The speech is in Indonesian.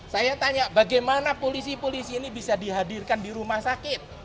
saya tanya bagaimana polisi polisi ini bisa dihadirkan di rumah sakit